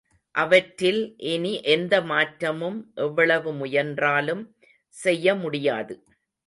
அவற்றில் இனி எந்த மாற்றமும் எவ்வளவு முயன்றாலும் செய்ய முடியாது.